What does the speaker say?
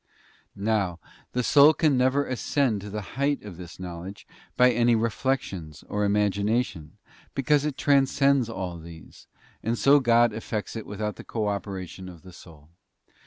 Now the soul can never ascend to the height of this know ledge by any reflections or imagination, because it transcends all these, and so God effects it without the cooperation of the soul.